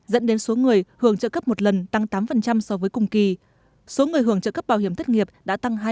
dẫn đến số người hưởng trợ cấp một lần tăng tám so với cùng kỳ số người hưởng trợ cấp bảo hiểm thất nghiệp đã tăng hai mươi